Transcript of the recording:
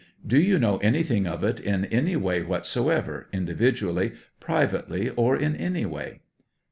Do you know anything of it in any way whatso ever, individually, privately, or in any way